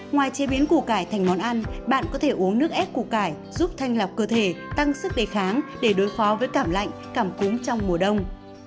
ngoài chế biến củ cải thành món ăn bạn có thể uống nước ép củ cải giúp thanh lọc cơ thể tăng sức đề kháng để đối phó với cảm lạnh cảm cúm trong mùa đông